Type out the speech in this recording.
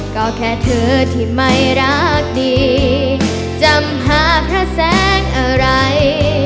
ก็แค่เธอที่ไม่รักดีจำหาแค่แสงอะไร